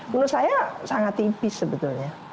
menurut saya sangat tipis sebetulnya